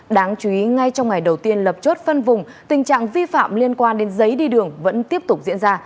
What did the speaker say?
đáng chú ý ngay trong ngày đầu tiên lập chốt phân vùng tình trạng vi phạm liên quan đến giấy đi đường vẫn tiếp tục diễn ra